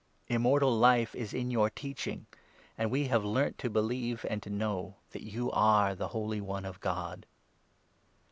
Immortal Life is in your teaching ; and we have learnt to believe and to know that you are the Holy One of God."